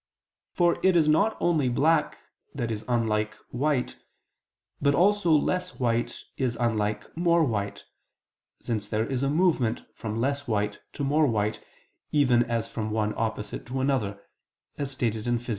For it is not only black that is unlike white, but also less white is unlike more white, since there is movement from less white to more white, even as from one opposite to another, as stated in _Phys.